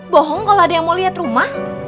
bohong kalau ada yang mau lihat rumah